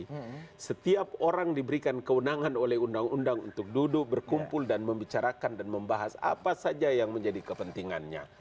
tapi setiap orang diberikan kewenangan oleh undang undang untuk duduk berkumpul dan membicarakan dan membahas apa saja yang menjadi kepentingannya